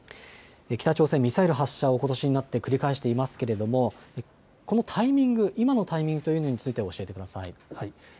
北朝鮮、ミサイル発射をことしになって繰り返していますがこのタイミング、今のタイミングということについて教えてください。